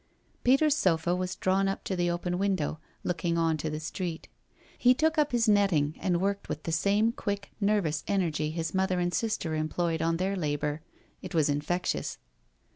Peter's sofa was drawn up to the open window, look ing on to the "Street. He took up his netting and worked with the same quick, nervous energy his mother and sister employed on their labour— it was infectious.